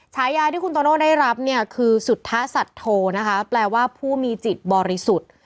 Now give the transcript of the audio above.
ฉายาที่คุณโตโน่ได้รับเนี่ยคือสุทธสัตโทนะคะแปลว่าผู้มีจิตบริสุทธิ์